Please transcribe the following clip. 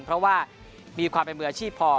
เพราะว่ามีความเป็นมืออาชีพพอ